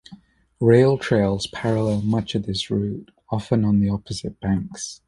Rail trails parallel much of this route, often on the opposite banks.